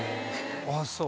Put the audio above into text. あっそう。